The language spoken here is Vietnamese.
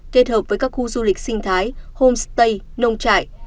kết hợp với các khu du lịch sinh thái homestay nông trại